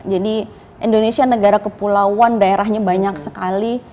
jadi indonesia negara kepulauan daerahnya banyak sekali